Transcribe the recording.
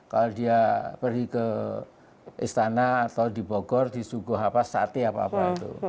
kalau dia pergi ke istana atau di bogor di sugoh apa sate apa apa itu